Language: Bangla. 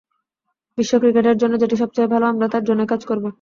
বিশ্ব ক্রিকেটের জন্য যেটি সবচেয়ে ভালো, আমরা তার জন্যই কাজ করব।